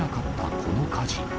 この火事。